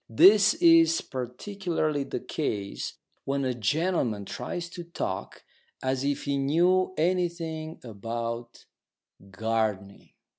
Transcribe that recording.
This is particularly the case when a gentleman tries to talk as if he knew anything about gardening.